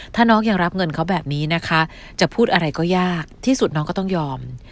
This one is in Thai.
ถ้าน้องยังรับเงินเขาแบบนี้นะคะจะพูดอะไรก็ยากที่สุดน้องก็ต้องยอม